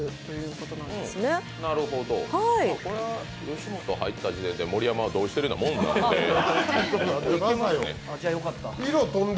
これは吉本入った時点で盛山は同意しているようなもんなんで。